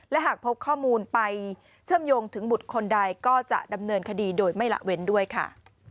และหากพบข้อมูลไปเชื่อมโยงถึงบุตรคนใดก็จะดำเนินคดีโดยไม่ละเว้นด้วยค่ะ